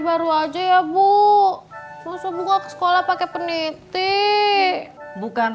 waalaikumsalam masuk tehya